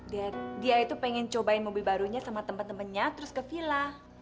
dia itu pengen cobain mobil barunya sama temen temennya terus ke villa